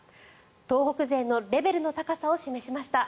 東北勢のレベルの高さを示しました。